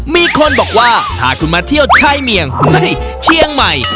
มีคนบอกว่าถ้าคุณมาเที่ยวชายเมียงเฮ้ยเชียงใหม่